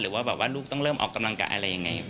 หรือว่าลูกต้องเริ่มออกกำลังกะอะไรอย่างไร